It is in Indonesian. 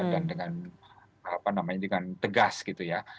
dan dengan tegas gitu ya